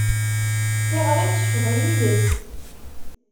Tiɣri tecceḍ i yiles.